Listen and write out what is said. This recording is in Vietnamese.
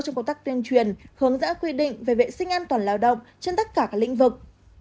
trong công tác tuyên truyền hướng dẫn quy định về vệ sinh an toàn lao động trên tất cả các lĩnh vực